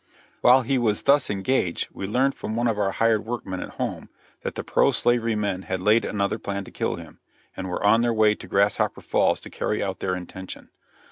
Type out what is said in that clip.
While he was thus engaged we learned from one of our hired workmen at home, that the pro slavery men had laid another plan to kill him, and were on their way to Grasshopper Falls to carry out their intention.